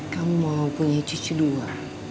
kamu mau punya cucu dua